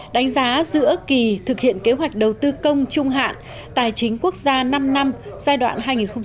đánh giá giữa kỳ thực hiện kế hoạch đầu tư công trung hạn tài chính quốc gia năm năm giai đoạn hai nghìn một mươi sáu hai nghìn hai mươi